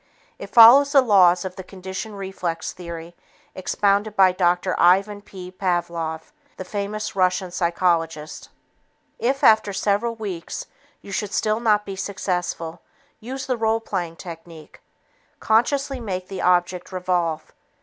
It follows the laws of the conditioned reflex theory expounded by Dr. Ivan P. Pavlov (1849 1936), the famous Russian psychologist. If, after several weeks, you should still not be successful, use the role playing technique. Consciously make the object revolve.